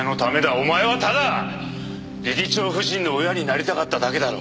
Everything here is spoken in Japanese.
お前はただ理事長夫人の親になりたかっただけだろう。